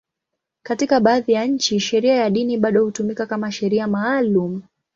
Katika baadhi ya nchi, sheria ya dini bado hutumika kama sheria maalum.